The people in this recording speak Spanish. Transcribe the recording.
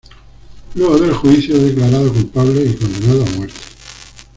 Luego del juicio, es declarado culpable y condenado a muerte.